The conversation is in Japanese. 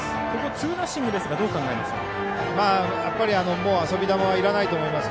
ツーナッシングですがどう考えますか？